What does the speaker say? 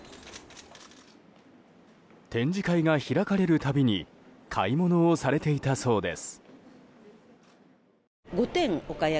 展示会が開かれるたびに買い物をされていたそうです。